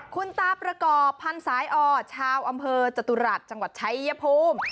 คุณตาประกอบพันธ์สายอ่อชาวอำเภอจตุรัสจังหวัดชัยภูมิ